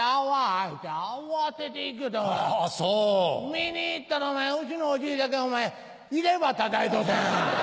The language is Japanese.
見に行ったらお前うちのおじいだけ入れ歯たたいとってん。